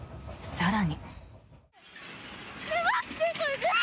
更に。